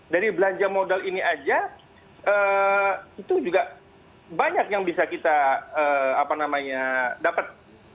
dari belanja modal ini aja itu juga banyak yang bisa kita dapat